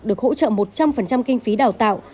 được hỗ trợ một trăm linh kinh phí đào tạo